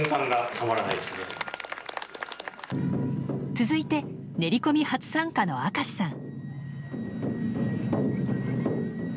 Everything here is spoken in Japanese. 続いて練り込み初参加の明石さん。